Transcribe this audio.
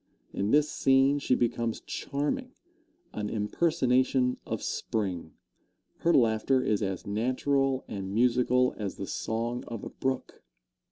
In this scene she becomes charming an impersonation of Spring. Her laughter is as natural and musical as the song of a brook.